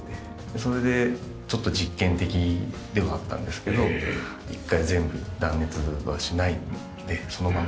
それでちょっと実験的ではあったんですけど一回全部断熱はしないでそのまま造ってみようと。